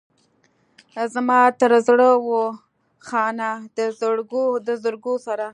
زما تر زړه و خانه د زرګو سره.